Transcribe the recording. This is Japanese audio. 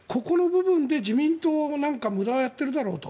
ここの部分で、自民党は無駄をやっているだろうと。